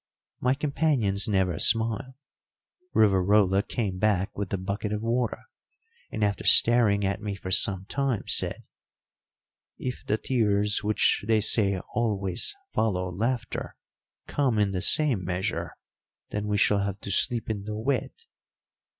My companions never smiled. Rivarola came back with the bucket of water, and, after staring at me for some time, said, "If the tears, which they say always follow laughter, come in the same measure, then we shall have to sleep in the wet."